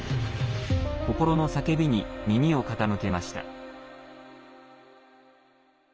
心の叫びに耳を傾けました。